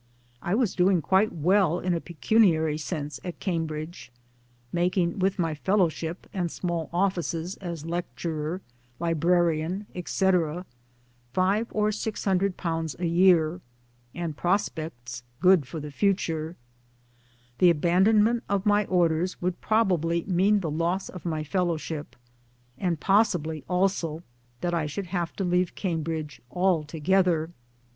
I was doing very well, in a pecuniary sense, at Cam bridge, making with my Fellowship and small offices as lecturer, librarian, etc., 500 or 600 a year, and prospects good for the future ; the abandonment of my Orders would probably mean the loss of my Fellowship, and possibly also that I should have to leave Cambridge altogether.